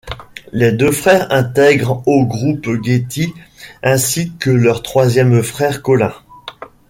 Les deux frères intègrent au groupe Getty ainsi que leur troisième frère Colin.